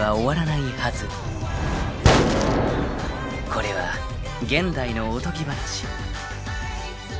［これは現代のおとぎ話］